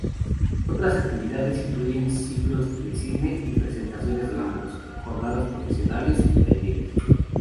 Otras actividades incluyen ciclos de cine y presentaciones de libros, jornadas profesionales y talleres.